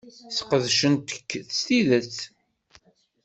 Sqedcent-k s tidet.